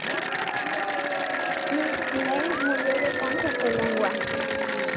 Kingsley murió de cáncer de lengua.